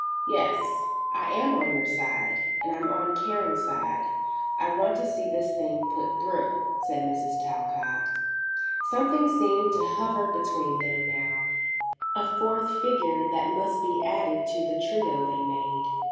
"Yes; I'm on your side, and I'm on Karen's side; and I want to see this thing put through," said Mrs. Talcott. Something seemed to hover between them now, a fourth figure that must be added to the trio they made.